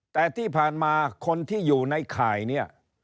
แต่ที่ผ่านมาคนที่อยู่ในข่ายเนี่ย